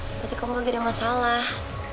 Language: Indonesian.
berarti kamu lagi ada masalah